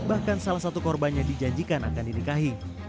bahkan salah satu korbannya dijanjikan akan dinikahi